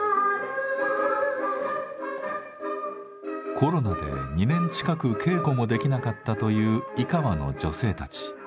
コロナで２年近く稽古もできなかったという井川の女性たち。